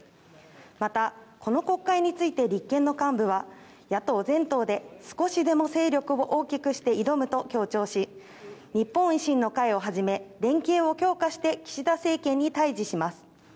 また、この国会について立憲の幹部は野党全党で少しでも勢力を大きくして挑むと強調し日本維新の会をはじめ連携を強化して岸田政権に対峙します。